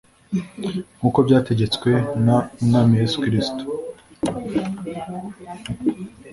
nkuko byategetswe n umwami yesu kristo